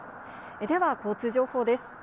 では、交通情報です。